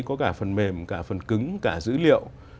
có cả phần mềm cả phần cứng cả dữ liệu